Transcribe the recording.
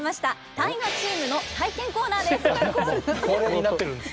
大河チームの体験コーナーです。